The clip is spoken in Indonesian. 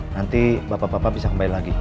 nanti bapak bapak bisa kembali lagi